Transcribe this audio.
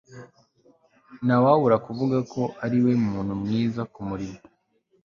ntawabura kuvuga ko ariwe muntu mwiza kumurimo